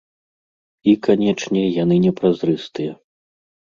І, канечне, яны не празрыстыя.